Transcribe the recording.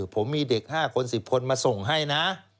ผมมีเด็ก๕คน๑๐คนมาส่งให้นะ